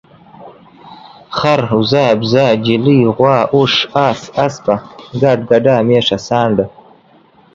خر، اوزه، بيزه ، چيلۍ ، غوا، اوښ، اس، اسپه، ګډ، ګډه، ميښه، سانډه